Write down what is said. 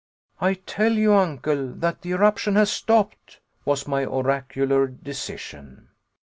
"I tell you, Uncle, that the eruption has stopped," was my oracular decision.